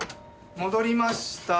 戻りました。